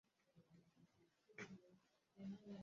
hadi mwaka elfu moja mia tisa sitini na nne